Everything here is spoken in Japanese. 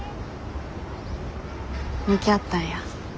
向き合ったんや。